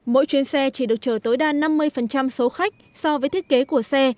mỗi chuyến xe chỉ được chở tối đa năm mươi số khách so với thiết kế của xe